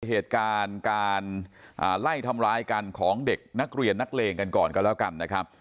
เหตุการณ์การไล่ทำร้ายกันของเด็กนักเรียนนักเลงกันก่อนกันแล้วกันนะครับ